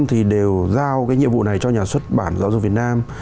thì đều giao cái nhiệm vụ này cho nhà xuất bản giáo dục việt nam